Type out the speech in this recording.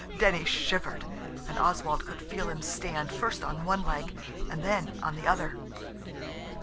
Denny shivered, and Oswald could feel him stand first on one leg and then on the other.